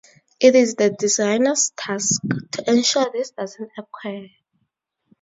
It is the designer's task to ensure this doesn't occur.